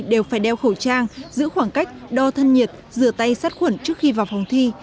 đều phải đeo khẩu trang giữ khoảng cách đo thân nhiệt rửa tay sát khuẩn trước khi vào phòng thi